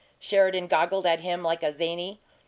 Sheridan goggled at him like a zany.